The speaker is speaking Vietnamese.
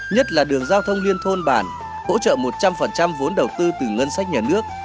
nhất là đường giao thông liên thôn bản hỗ trợ một trăm linh vốn đầu tư từ ngân sách nhà nước